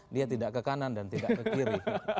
dia tidak ke kanan dan tidak ke kiri